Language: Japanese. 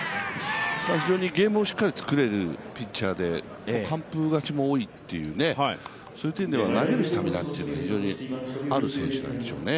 非常にゲームをしっかり作れるピッチャーで完封勝ちも多いという、そういった意味では投げるスタミナが非常にある選手なんでしょうね。